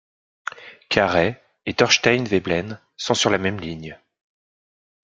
Carey et Thorstein Veblen sont sur la même ligne.